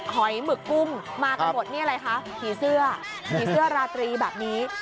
หอยหมึกกุ้งมากันหมดนี่อะไรคะผีเสื้อผีเสื้อราตรีแบบนี้